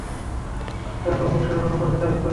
তারপর মবির সাথে তোমার সম্পর্কের তারিফ করি।